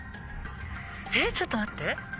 えっちょっと待って。